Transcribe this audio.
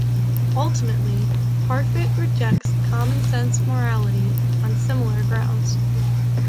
Ultimately, Parfit rejects "common sense morality" on similar grounds.